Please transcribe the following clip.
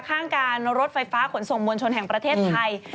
ข้างการรถไฟฟ้าขนส่งมวลชนแห่งประเทศไทย